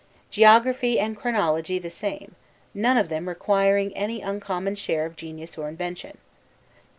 Geography and chronology the same, none of them requiring any uncommon share of genius or invention.